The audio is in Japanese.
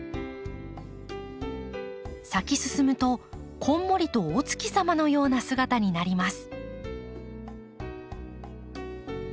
咲き進むとこんもりとお月様のような姿になります。